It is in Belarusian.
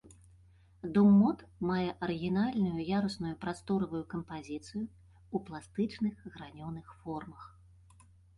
Дом мод мае арыгінальную ярусную прасторавую кампазіцыю ў пластычных гранёных формах.